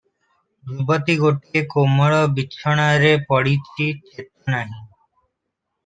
ଯୁବତୀ ଗୋଟିଏ କୋମଳ ବିଛଣାରେ ପଡ଼ିଛି, ଚେତା ନାହିଁ ।